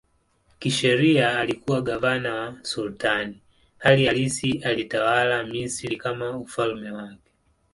Kisheria alikuwa gavana wa sultani, hali halisi alitawala Misri kama ufalme wake.